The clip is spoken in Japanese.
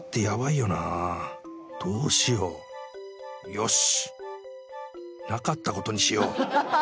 よし